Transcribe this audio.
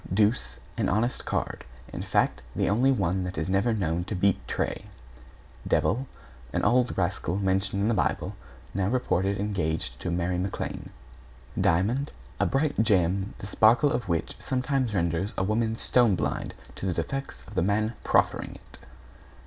=DEUCE= An honest card, in fact the only one that is never known to beat tray. =DEVIL= An old rascal mentioned in the Bible, now reported engaged to Mary McLane. =DIAMOND= A bright gem the sparkle of which sometimes renders a woman stone blind to the defects of the man proffering it.